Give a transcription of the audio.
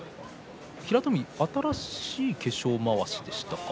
平戸海、新しい化粧まわしでしたか？